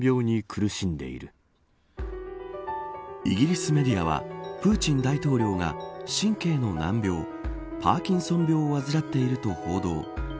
イギリスメディアはプーチン大統領が神経の難病パーキンソン病を患っていると報道。